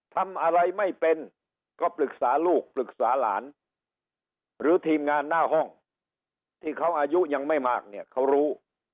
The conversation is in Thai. ทำอะไรไม่เป็นก็ปรึกษาลูกปรึกษาหลานหรือทีมงานหน้าห้องที่เขาอายุยังไม่มากเนี่ยเขารู้